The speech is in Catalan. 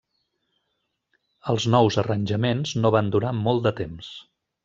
Els nous arranjaments no van durar molt de temps.